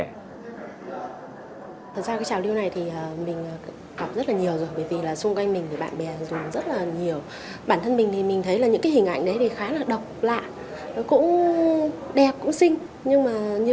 thật ra cái trào lưu này thì mình gặp rất là nhiều rồi bởi vì là xung quanh mình thì bạn bè dùng rất là nhiều